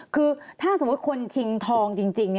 คุณเภาะชิงทอง